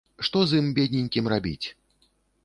Што з ім, бедненькім, рабіць.